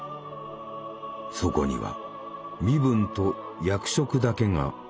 そこには身分と役職だけが記されている。